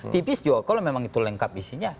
tipis juga kalau memang itu lengkap isinya